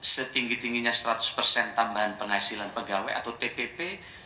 setinggi tingginya seratus persen tambahan penghasilan pegawai atau tpp